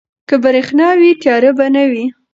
که برښنا وي، تیاره به نه وي.